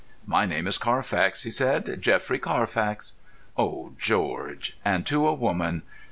"My name is Carfax," he said, "Geoffrey Carfax." Oh, George! And to a woman!